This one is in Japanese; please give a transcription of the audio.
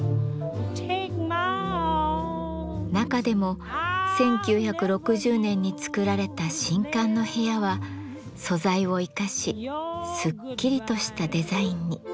中でも１９６０年につくられた新館の部屋は素材を生かしすっきりとしたデザインに。